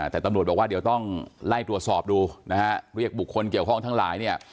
แต่ตำรวจบอกว่าเดี๋ยวต้องไล่ตรวจสอบดูนะฮะเรียกบุคคลเกี่ยวข้องทั้งหลายเนี่ย